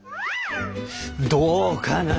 どうかな。